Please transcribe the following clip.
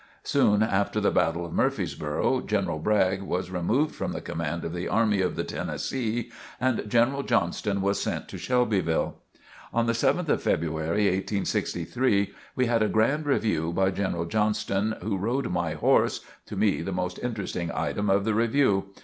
Soon after the Battle of Murfreesboro, General Bragg was removed from the command of the Army of the Tennessee and General Johnston was sent to Shelbyville. On the 7th of February, 1863, we had a grand review by General Johnston, who rode my horse to me the most interesting item of the review.